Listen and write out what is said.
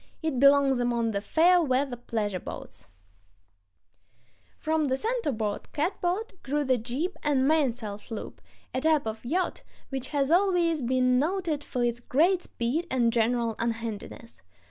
It belongs among the fair weather pleasure boats.... [Illustration: RIG OF THE YAWL.] From the center board catboat grew the jib and mainsail sloop, a type of yacht which has always been noted for its great speed and general unhandiness.